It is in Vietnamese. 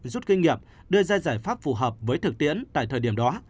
rút kinh nghiệm đưa ra giải pháp phù hợp với thực tiễn tại thời điểm đó